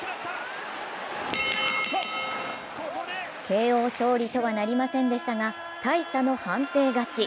ＫＯ勝利とはなりませんでしたが大差の判定勝ち。